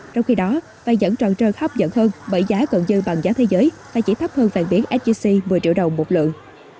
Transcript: trong khi đó vàng nhẫn trò chơi hấp dẫn hơn bởi giá cận dư bằng giá thế giới và chỉ thấp hơn vàng biến sjc một mươi triệu đồng một lượng